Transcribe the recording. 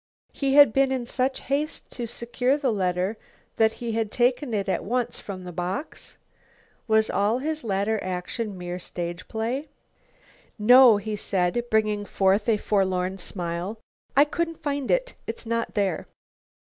Had he been in such haste to secure the letter that he had taken it at once from the box? Was all his later action mere stage play? "No," he said, bringing forth a forlorn smile, "I couldn't find it. It's not there."